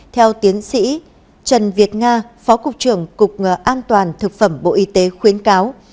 theo tiến sĩ trần việt nga phó cục trưởng cục an toàn thực phẩm bộ y tế khuyến cáo